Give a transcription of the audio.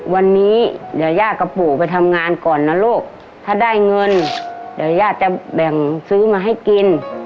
วันนี้เดี๋ยวย่ากับปู่ไปทำงานก่อนนะลูกถ้าได้เงินเดี๋ยวย่าจะแบ่งซื้อมาให้กิน